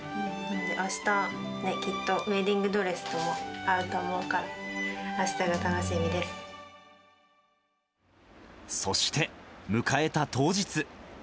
あした、きっとウエディングドレスとも合うと思うから、あしたが楽しみでそして迎えた当日。